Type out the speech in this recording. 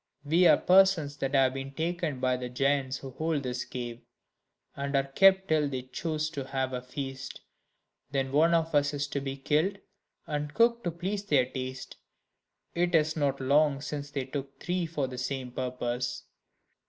We are persons that have been taken by the giants who hold this cave, and are kept till they choose to have a feast; then one of us is to be killed, and cooked to please their taste. It is not long since they took three for the same purpose."